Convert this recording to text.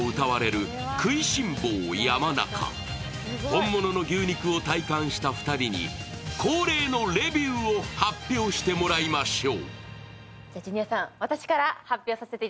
本物の牛肉を体感した２人に恒例のレビューを発表してもらいましょう。